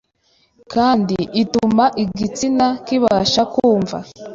kandi ituma igitsina kibasha kumva